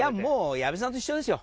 矢部さんと一緒ですよ。